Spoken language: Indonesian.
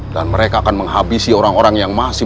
dan mereka akan menghabisi orang orang yang masih